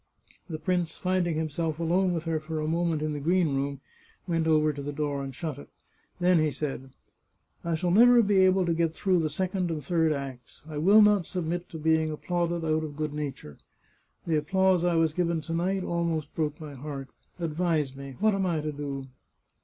The prince, finding himself alone with her for a moment in the green room, went over to the door and shut it. Then he said :" I shall never be able to get through the second and third acts. I will not submit to being applauded out of good nature. The applause I was given to night almost broke my heart. Advise me. What am I to do